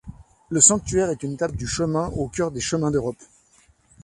Le sanctuaire est une étape du chemin Au cœur des chemins d'Europe.